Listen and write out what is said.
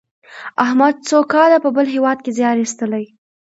احمد څو کاله په بل هېواد کې زیار ایستلی.